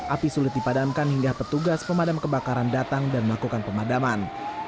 api sulit dipadamkan hingga petugas pemadam kebakaran datang dan melakukan pemadaman